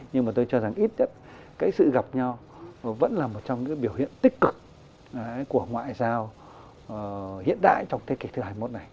nhưng mà tôi cho rằng ít nhất cái sự gặp nhau vẫn là một trong những biểu hiện tích cực của ngoại giao hiện đại trong thế kỷ thứ hai mươi một này